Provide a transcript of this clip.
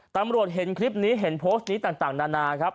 ตำรวจเห็นคลิปนี้เห็นโพสต์นี้ต่างนานาครับ